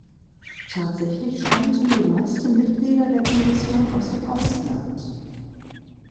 Tatsächlich stammten die meisten Mitglieder der Kommission aus dem Ausland.